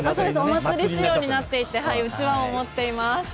お祭り仕様になっていてうちわも持っています。